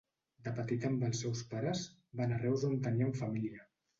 De petit amb els seus pares, va anar a Reus on tenien família.